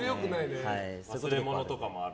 忘れ物とかもある？